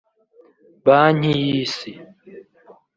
Banki y’Isi